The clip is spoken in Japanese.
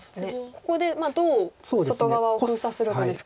ここでどう外側を封鎖するかですか。